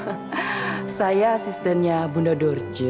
ini ya asistennya bunda dorje